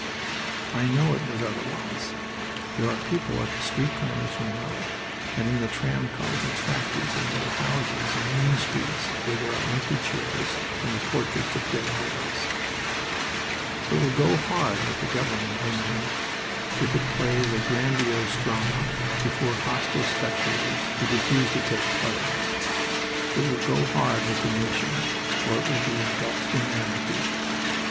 I know it was otherwise. There are people at the street corners who know; and in the tram cars and factories and little houses in mean streets where there are empty chairs and the portraits of dead boys. It will go hard with the government of England if it plays a grandiose drama before hostile spectators who refuse to take part in it. It will go hard with the nation, for it will be engulfed in anarchy.